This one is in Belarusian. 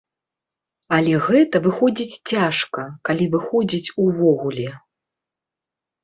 Але гэта выходзіць цяжка, калі выходзіць увогуле.